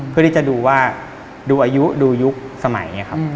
เพื่อที่จะดูว่าดูอายุดูยุคสมัยครับ